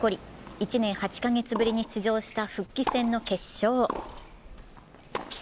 １年８か月ぶりに出場した復帰戦の決勝。